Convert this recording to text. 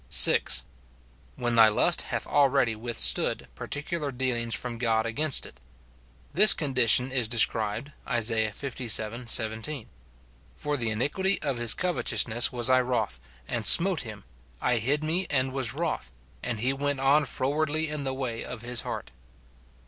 6. When thy lust hath already withstood particular deal ings from God against it. This condition is described, Isa. Ivii. 17, "For the iniquity of his covetousness was I wroth, and smote him : I hid me, and was wroth, and he went on frowardly in the way of his heart."